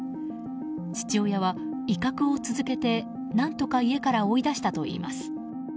父親は威嚇を続けて何とか家から追い出したといいます。